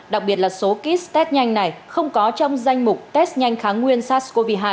đặc biệt là số kit test nhanh này không có trong danh mục test nhanh kháng nguyên sars cov hai